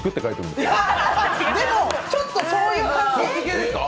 でも、ちょっとそういう感じ。